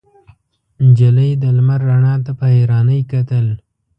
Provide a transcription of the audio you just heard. نجلۍ د لمر رڼا ته په حيرانۍ کتل.